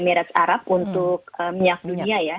jadi ini adalah pemasok global untuk minyak dunia ya